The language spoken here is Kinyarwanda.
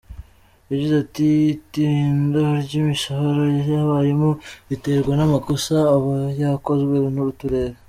Yagize ati “Itinda ry’imishahara y’abarimu riterwa n’amakosa aba yakozwe n’uturere.